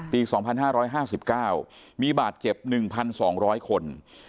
ปี๒๕๕๙มีบาดเจ็บ๑๒๐๐คน